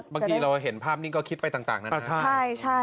บางทีเราเห็นภาพนิ่งก็คิดไปต่างนานา